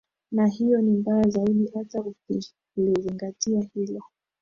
na hiyo ni mbaya zaidi hata ukilizingatia hilo